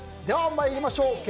では参りましょう。